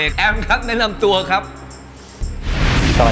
สู้พี่ป๋น